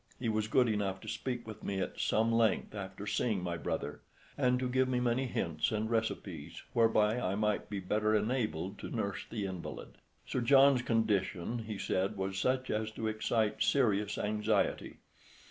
He was good enough to speak with me at some length after seeing my brother, and to give me many hints and recipes whereby I might be better enabled to nurse the invalid. Sir John's condition, he said, was such as to excite serious anxiety.